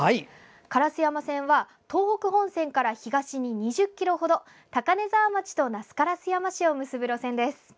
烏山線は東北本線から東に２０ｋｍ程高根沢町と那須烏山市を結ぶ路線です。